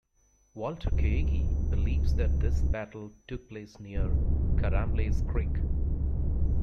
Walter Kaegi believes that this battle took place near Karamlays Creek.